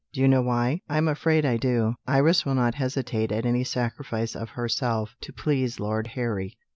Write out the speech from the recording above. "Do you know why?" "I am afraid I do. Iris will not hesitate at any sacrifice of herself to please Lord Harry.